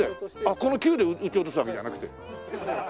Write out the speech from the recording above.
このキューで撃ち落とすわけじゃなくて？